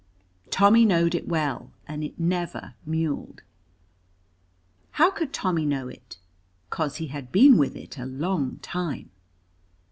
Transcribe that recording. Tommy knowed it well, and it never mewled. How could Tommy know it? 'Cos he had been with it a long time.